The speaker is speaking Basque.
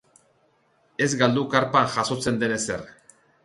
Ez galdu karpan jazotzen den ezer!